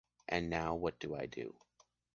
And now, what do I do?